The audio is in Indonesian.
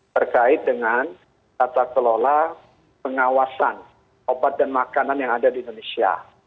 terkait dengan tata kelola pengawasan obat dan makanan yang ada di indonesia